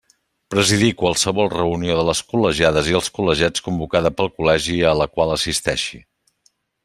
Presidir qualsevol reunió de les col·legiades i els col·legiats convocada pel Col·legi a la qual assisteixi.